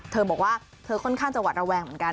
เธอบอกว่าเธอค่อนข้างจะหวัดระแวงเหมือนกัน